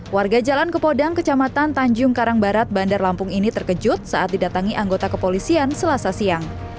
warga jalan ke podang kecamatan tanjung karangbarat bandar lampung ini terkejut saat didatangi anggota kepolisian selasa siang